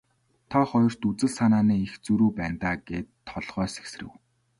Та хоёрт үзэл санааны их зөрүү байна даа гээд толгой сэгсрэв.